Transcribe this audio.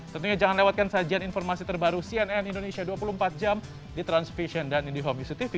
tentunya jangan lewatkan sajian informasi terbaru cnn indonesia dua puluh empat jam di transvision dan indihome isi tv